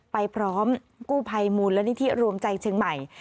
ไปพร้อมกู้ภัยมูลนิธิรวมใจเชียงใหม่